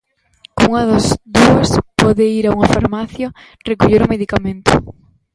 Cunha das dúas pode ir a unha farmacia recoller o medicamento.